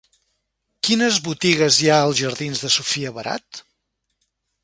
Quines botigues hi ha als jardins de Sofia Barat?